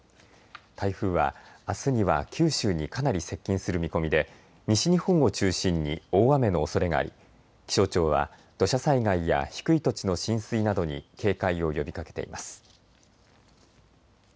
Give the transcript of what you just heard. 台風はあすには九州にかなり接近する見込みで西日本を中心に大雨のおそれがあり気象庁は土砂災害や低い土地の浸水などに警戒を呼びかけています。